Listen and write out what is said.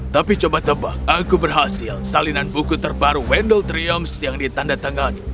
tapi coba tebak aku berhasil salinan buku terbaru wendeltrium yang ditanda tangannya